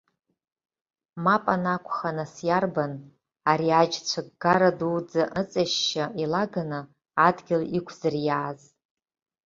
Мап анакәха, нас иарбан, ари аџь цәыггара дуӡӡа ыҵшьшьы илаганы адгьыл иқәзыриааз?!